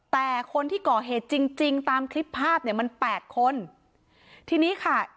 แต่คนที่ก่อเหตุจริงจริงตามคลิปภาพเนี่ยมันแปดคนทีนี้ค่ะ